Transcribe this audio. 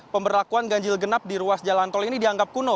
pemberlakuan ganjil genap di ruas jalan tol ini dianggap kuno